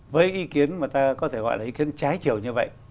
với ý kiến mà ta có thể gọi là ý kiến trái chiều như vậy